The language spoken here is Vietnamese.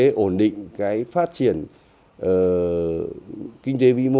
và tăng trưởng kinh tế ổn định phát triển phát triển phát triển phát triển phát triển